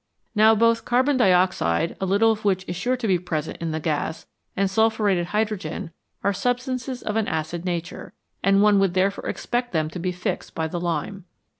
Now both carbon dioxide, a little of which is sure to be present in the gas, and sulphuretted hydrogen are substances of an acid nature, and one would therefore expect them to be fixed by the lime.